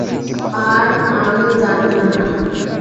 আর আমি জানি না।